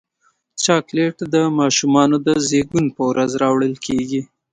چاکلېټ د ماشومانو د زیږون پر ورځ راوړل کېږي.